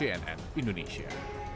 tim liputan cnn indonesia